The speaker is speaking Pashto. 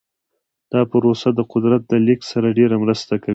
دا پروسه د قدرت د لیږد سره ډیره مرسته کوي.